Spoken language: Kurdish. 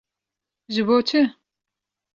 Ji bo çi?